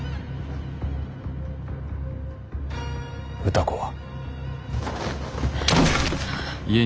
歌子は？